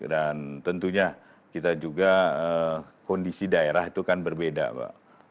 dan tentunya kita juga kondisi daerah itu kan berbeda mbak